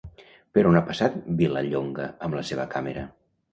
Per on ha passat Vilallonga amb la seva càmera?